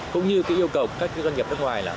cũng như cái yêu cầu các doanh nghiệp nước ngoài là